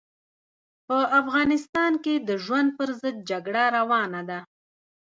په افغانستان کې د ژوند پر ضد جګړه روانه ده.